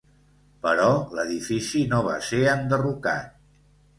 Però l'edifici no va ser enderrocat.